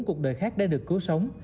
bốn cuộc đời khác đã được cứu sống